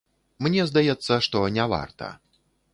Мне здаецца, што няварта.